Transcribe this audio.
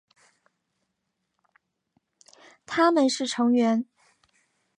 他们是成员。